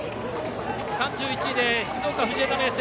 ３１位で静岡・藤枝明誠。